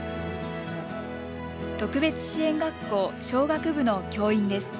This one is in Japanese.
特別支援学校小学部の教員です。